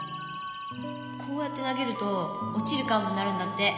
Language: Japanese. こうやって投げると落ちるカーブになるんだって